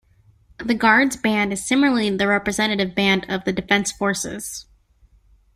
The Guards Band is similarly the representative band of the Defence Forces.